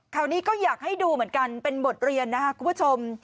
ข่าวนี้ก็อยากให้ดูเหมือนกันเป็นบทเรียนนะครับคุณผู้ชม